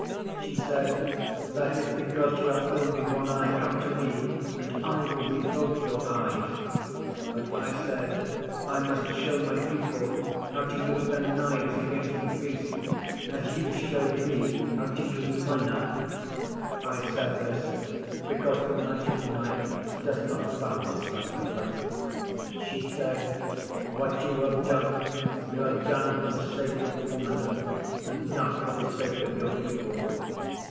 She said, "That is because you have only one eye. Come to me and I will be both your eyes." But I said, "I must show my people how to use their knives against The Beast, as you showed me how to use my knife." I said this because the Magic Knife does not balance like the flint. She said, "What you have done, you have done for the sake of a woman, and not for the sake of your people."